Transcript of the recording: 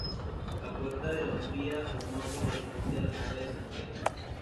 La Puerta de la Umbría o Norte corresponde a la nave de San Lorenzo.